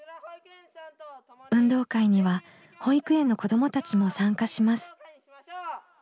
運動会には保育園の子どもたちも参加します。